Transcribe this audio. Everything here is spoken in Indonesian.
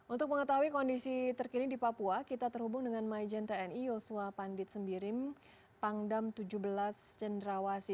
untuk mengetahui kondisi terkini di papua kita terhubung dengan maijen tni yosua pandit sembirim pangdam tujuh belas cendrawasi